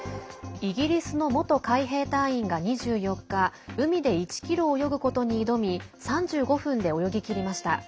イギリスの元海兵隊員が２４日海で１ｋｍ泳ぐことに挑み３５分で泳ぎきりました。